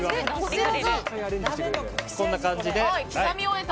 こんな感じで。